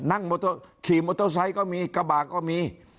นั่งมอเตอร์ขี่มอเตอร์ไซค์ก็มีกระบากก็มี